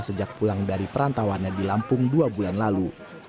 sejak pulang dari perantauannya di lampung dua bulan lalu